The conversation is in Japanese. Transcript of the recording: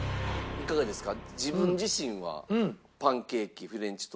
いかがですか？